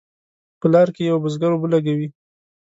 په لار کې یو بزګر اوبه لګوي.